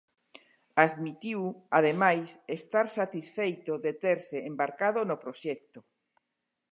Admitiu, ademais, estar satisfeito de terse embarcado no proxecto.